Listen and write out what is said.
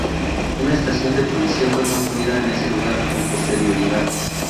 Una estación de policía fue construida en ese lugar con posterioridad.